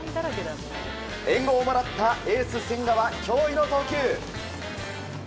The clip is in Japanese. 援護をもらったエース、千賀は驚異の投球。